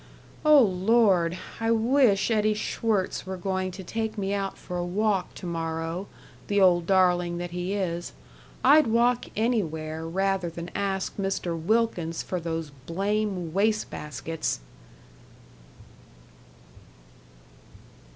Oh, Lord! I wish Eddie Schwirtz were going to take me out for a walk to morrow, the old darling that he is I'd walk anywhere rather than ask Mr. Wilkins for those blame waste baskets!"